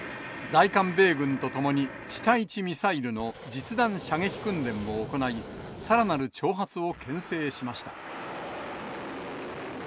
在韓米軍と共に、地対地ミサイルの実弾射撃訓練を行い、さらなる挑発をけん制しました。